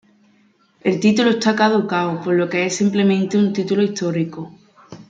El título está caducado, por lo que es simplemente un Título histórico.